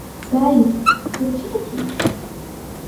Guys, হচ্ছেটা কী?